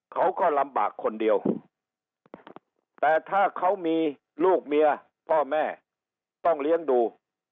เขาก็ลำบากคนเดียวแต่ถ้าเขามีลูกเมียพ่อแม่ต้องเลี้ยงดู